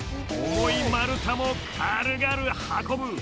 重い丸太も軽々運ぶ。